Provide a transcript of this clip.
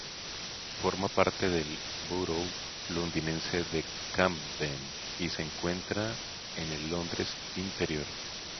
Forma parte del "borough" londinense de Camden, y se encuentra en el Londres interior.